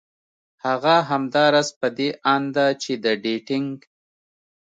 هغه همدا راز په دې اند ده چې د ډېټېنګ